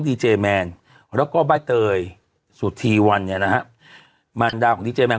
ดีเจแมนแล้วก็ใบเตยสุธีวันเนี่ยนะฮะมารดาของดีเจแมน